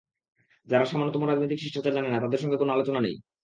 যারা সামান্যতম রাজনৈতিক শিষ্টাচার জানে না, তাদের সঙ্গে কোনো আলোচনা নেই।